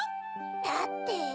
だって。